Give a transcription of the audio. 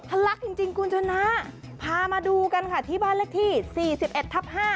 ลักจริงคุณชนะพามาดูกันค่ะที่บ้านเลขที่๔๑ทับ๕